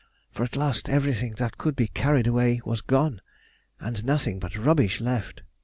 For at last everything that could be carried away was gone, and nothing but rubbish left.